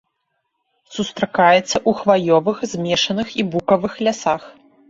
Сустракаецца ў хваёвых, змешаных і букавых лясах.